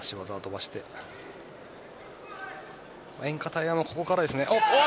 エンカタイワンはここからです。